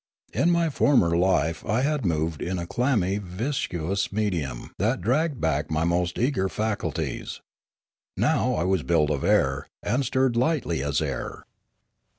In my former life I had moved in a clammy viscous medium that dragged back my most eager faculties. Now I was built of air, and stirred lightly as air.